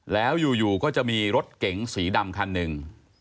แล้วอยู่ก็จะมีรถเก๋งสีดำคันหนึ่ง